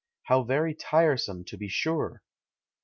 How very tiresome, to be sure!